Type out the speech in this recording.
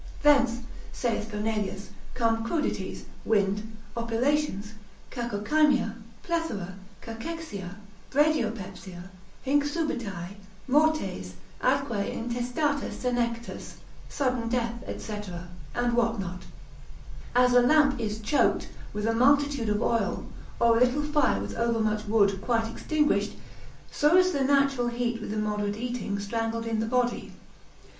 Thence, saith Fernelius, come crudities, wind, oppilations, cacochymia, plethora, cachexia, bradiopepsia, Hinc subitae, mortes, atque intestata senectus, sudden death, &c., and what not. As a lamp is choked with a multitude of oil, or a little fire with overmuch wood quite extinguished, so is the natural heat with immoderate eating, strangled in the body.